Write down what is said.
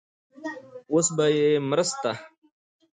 اوس به يې په مرسته